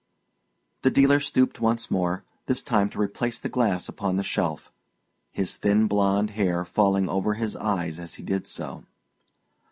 The dealer stooped once more, this time to replace the glass upon the shelf, his thin blond hair falling over his eyes as he did so.